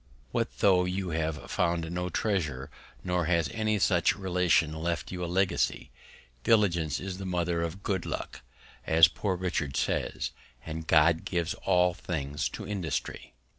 What though you have found no Treasure, nor has any rich Relation left you a Legacy, Diligence is the Mother of Good luck, as Poor Richard says, and God gives all Things to Industry.